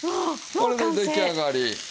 これで出来上がり。